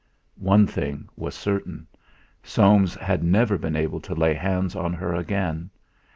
One thing was certain Soames had never been able to lay hands on her again.